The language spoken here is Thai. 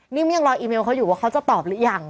ยังรออีเมลเขาอยู่ว่าเขาจะตอบหรือยัง